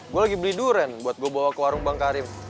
gue lagi beli durian buat gue bawa ke warung bang karim